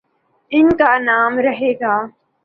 ان کانام رہے گا۔